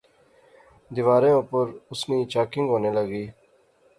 دیواریں اپر اس نی چاکنگ ہونے لغی